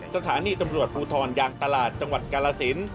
สถานีตำรวจภูทรยางตลาดจังหวัดกาลสิน